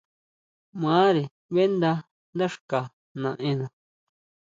Mare ʼbeʼnda dá xka naʼena.